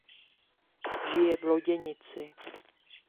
Žije v Loděnici.